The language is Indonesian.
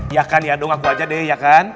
ya kan ya dong aku aja deh ya kan